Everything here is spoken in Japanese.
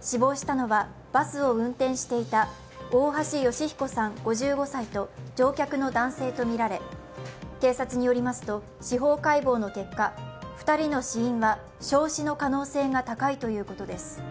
死亡したのはバスを運転していた大橋義彦さん５５歳と乗客の男性とみられ警察によりますと司法解剖の結果、２人の死因は焼死の可能性が高いということです。